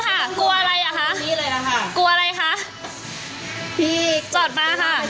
ถ้าขึ้นเสียงทำไมนายก็ทำตามกฎของหนู